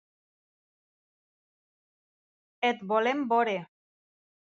Et volem veure.